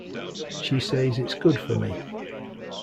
She says it's good for me.